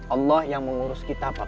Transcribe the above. allah yang mengurus kita